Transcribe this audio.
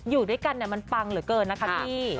อยู่ด้วยกันมันปังเหลือเกินนะคะพี่